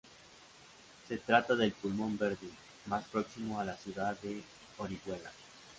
Se trata del "pulmón verde" más próximo a la ciudad de Orihuela.